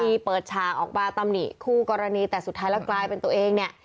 มีเปิดฉากออกมาตำหนิคู่กรณีแต่สุดท้ายแล้วกลายเป็นตัวเองเนี่ย